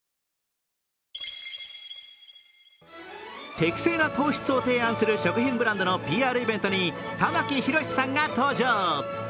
適正な糖質を提案する食品ブランドのＰＲイベントに玉木宏さんが登場。